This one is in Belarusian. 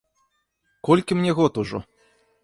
Колькі мне год ужо?